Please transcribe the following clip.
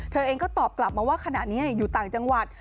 เธอเองก็ตอบกลับมาว่าขณะนี้อยู่ต่างจังหวัด